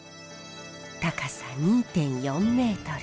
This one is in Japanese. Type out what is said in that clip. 高さ２．４メートル。